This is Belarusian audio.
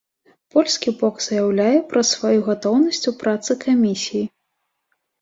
Польскі бок заяўляе пра сваю гатоўнасць у працы камісіі.